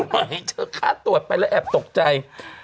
อร์ไมค์เจอค่าตรวจไปแล้วแอบตกใจ